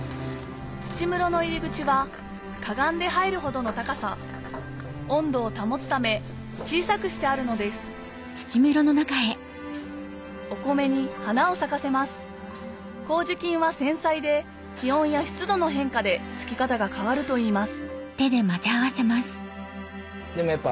土室の入り口はかがんで入るほどの高さ温度を保つため小さくしてあるのですお米に花を咲かせます麹菌は繊細で気温や湿度の変化でつき方が変わるといいます